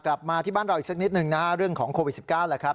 กลับมาที่บ้านเราอีกสักนิดหนึ่งนะฮะเรื่องของโควิด๑๙แหละครับ